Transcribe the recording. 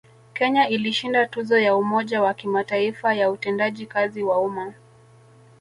Kenya ilishinda tuzo ya Umoja wa Kimataifa ya Utendaji kazi wa Umma